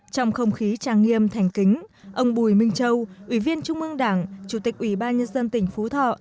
trong không khí trang nghiêm thành kính ông bùi minh châu ủy viên trung mương đảng chủ tịch ủy ban nhân dân tỉnh phú thọ